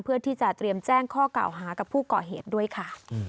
เพื่อที่จะเตรียมแจ้งข้อกล่าวหากับผู้ก่อเหตุด้วยค่ะ